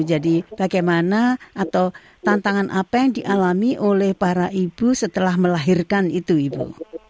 jadi bagaimana atau tantangan apa yang dialami oleh para ibu setelah melahirkan itu ibu